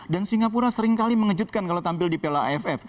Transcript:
dan singapura seringkali mengejutkan kalau tampil di piala aff